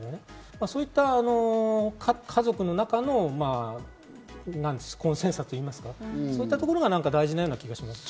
そういった家族の中のコンセンサスといいますか、そういったところが大事なような気がします。